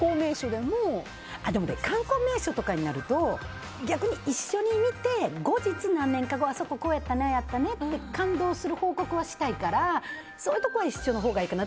でも、観光名所とかになると逆に一緒に見て、後日何年か後あそこ、こうやったねって感動する報告はしたいからそういうところは一緒のほうがいいかな。